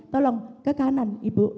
tolong ke kanan ibu